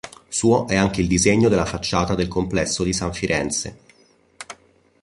Suo è anche il disegno della facciata del Complesso di San Firenze.